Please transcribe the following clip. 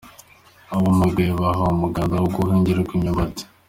Abamugaye bahawe umuganda wo guhingirwa imyumbati.